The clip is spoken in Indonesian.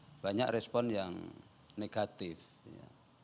sehingga banyak respon yang berbasis dionetronik dan ini meresponnya sudah ambil berikutnya